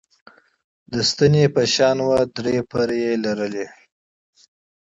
د ستنې په شان وه او درې پرې یي لرلې.